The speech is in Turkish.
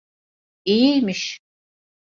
İyiymiş.